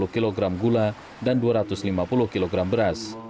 delapan ratus lima puluh kg gula dan dua ratus lima puluh kg beras